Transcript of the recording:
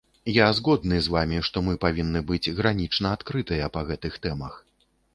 Я згодны з вамі, што мы павінны быць гранічна адкрытыя па гэтых тэмах.